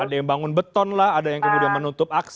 ada yang bangun beton lah ada yang kemudian menutup akses